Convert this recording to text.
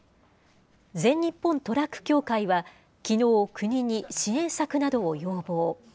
全日本トラック協会は、きのう、国に支援策などを要望。